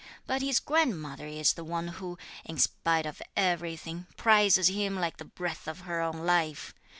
But his grandmother is the one who, in spite of everything, prizes him like the breath of her own life.